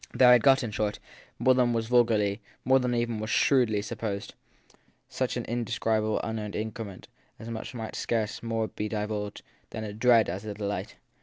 They had got, in short, more than was vul garly, more than was even shrewdly supposed such an inde scribable unearned increment as might scarce more be divulged as a dread than as a delight.